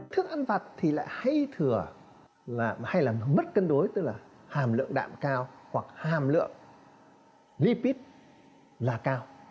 thức ăn vặt thì lại hay thừa hay là mất cân đối tức là hàm lượng đạm cao hoặc hàm lượng ripid là cao